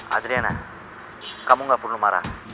adriana kamu gak perlu marah